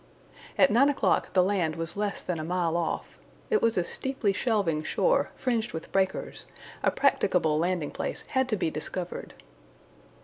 At nine o'clock, the land was less than a mile off. It was a steeply shelving shore, fringed with breakers; a practicable landing place had to be discovered.